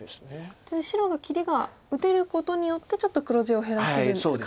じゃあ白が切りが打てることによってちょっと黒地を減らせるんですか。